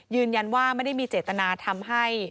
ยืนยันว่าไม่ได้มีเจตนาทำให้